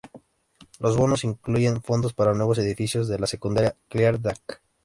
Los bonos incluyen fondos para nuevos edificios de la Secundaria Clear Lake.